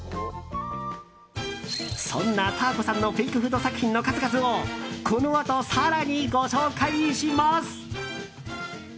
そんな、たあこさんのフェイクフード作品の数々をこのあと更にご紹介します。